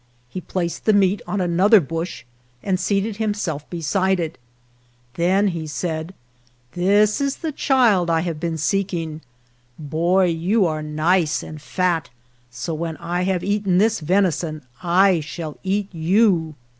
He placed the meat on another bush and seated himself beside it. Then he said, " This is the child I have 7 GERONIMO been seeking. Boy, you are nice and fat, so when I have eaten this venison I shall eat you."